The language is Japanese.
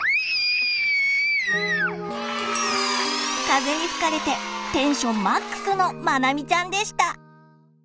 風に吹かれてテンションマックスのまなみちゃんでした。